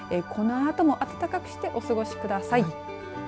このあとも暖かくしてお過ごしください。